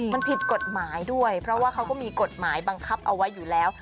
มันผิดกฎหมายด้วยเพราะว่าเขาก็มีกฎหมายบังคับเอาไว้อยู่แล้ว